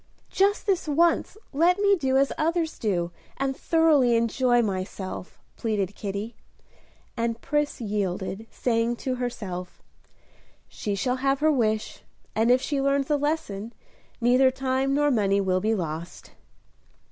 "Just this once let me do as others do, and thoroughly enjoy myself." pleaded Kitty; and Pris yielded, saying to herself, "She shall have her wish, and if she learns a lesson, neither time nor money will be lost."